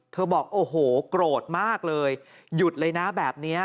บอกโอ้โหโกรธมากเลยหยุดเลยนะแบบนี้